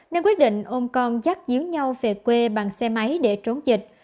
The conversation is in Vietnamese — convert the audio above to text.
nên quyết định ôm con dắt giếng nhau về quê bằng xe máy để trốn dịch